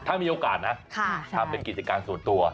ถ้ามีโอกาสนะทำเป็นกิจการส่วนตัว